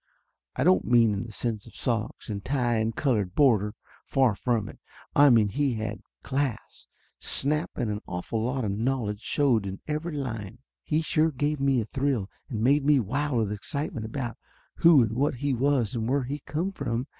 I don't mean in the sense of socks and tie and colored border. Far from it. I mean he had class; snap and an awful lot of knowledge showed in every line. He sure give me a thrill, and made me wild with excitement about who and what he was and where he come from.